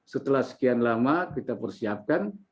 setelah sekian lama kita persiapkan